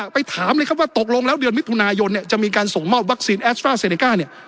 ไปถามเลยครับว่าตกลงแล้วเดือนมิถุนายนเนี่ยจะมีการส่งมอบวัคซีนแอสตราเซเนก้าเนี่ย